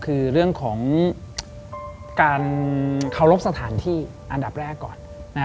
คือเรื่องของการเคารพสถานที่อันดับแรกก่อน